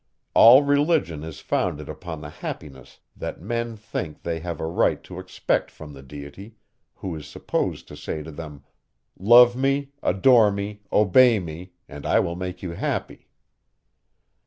All religion is founded upon the happiness that men think they have a right to expect from the Deity, who is supposed to say to them: Love me, adore me, obey me: and I will make you happy.